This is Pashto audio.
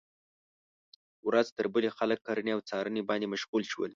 ورځ تر بلې خلک کرنې او څارنې باندې مشغول شول.